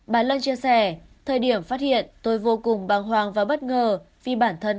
bà lân chia sẻ thời điểm phát hiện tôi vô cùng băng hoang và bất ngờ vì bản thân